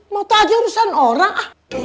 mau tau aja urusan orang